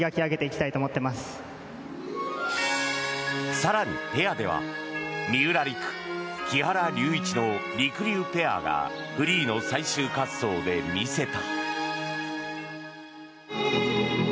更にペアでは三浦璃来・木原龍一のりくりゅうペアがフリーの最終滑走で見せた。